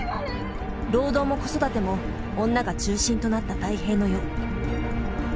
労働も子育ても女が中心となった太平の世。